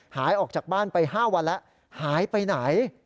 หายออกจากบ้านไป๕วันแล้วหายไปไหน